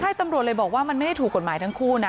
ใช่ตำรวจเลยบอกว่ามันไม่ได้ถูกกฎหมายทั้งคู่นะ